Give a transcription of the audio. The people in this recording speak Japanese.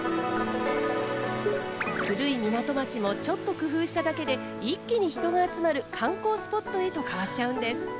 古い港町もちょっと工夫しただけで一気に人が集まる観光スポットへと変わっちゃうんです。